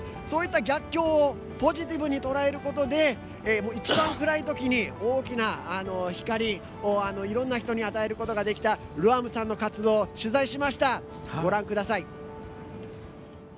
そういった逆境をポジティブに捉えることで一番暗いときに大きな光をいろんな人に与えることができたルアムさんの活動を取材しました。